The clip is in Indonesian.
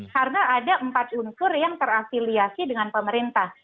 karena ada empat unsur yang terafiliasi dengan pemerintah